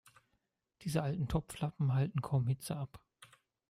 Diese alten Topflappen halten kaum Hitze ab.